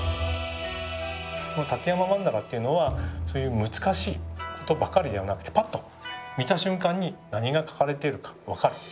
この「立山曼荼羅」というのはそういう難しいことばかりではなくてパッと見た瞬間に何が描かれているか分かる。